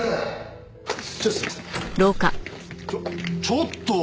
ちょっと！